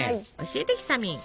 教えてひさみん。